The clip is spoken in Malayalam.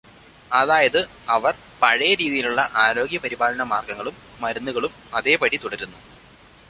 അതായത് അവർ പഴയരീതിയിലുള്ള ആരോഗ്യപരിപാലനമാര്ഗങ്ങളും മരുന്നുകളും അതേപടി തുടരുന്നു.